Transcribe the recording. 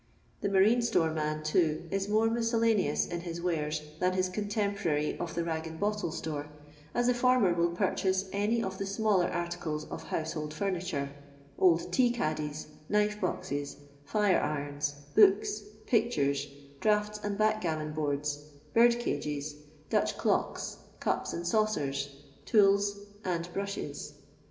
The nurine store man, too, is more miscellaneous in hii wares thun his contemporary of the rag and bottls* store, OS the former will purchase any of ths smaller articles of household furniture, old tssr caddies, knife boxes, lire irons, books, picturei^ draughts and backgammon boards, bird cagti^ Dutch clocks, cups and saucers, tools and brashes.